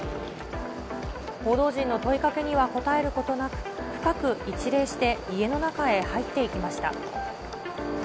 報道陣の問いかけには答えることなく、深く一礼して家の中へ入っていきました。